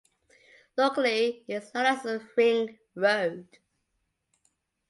Locally, it is known as Ring Road.